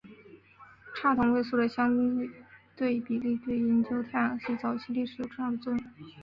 氙同位素的相对比例对研究太阳系早期历史有重要的作用。